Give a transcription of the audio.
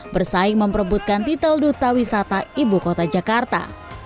bersaing memperebutkan titel duta wisata ibu kota jakarta